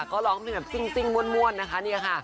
ก็ร้องเพลงซิ้งมวลนะคะ